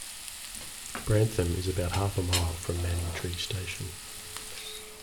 Brantham is about half a mile from Manningtree station.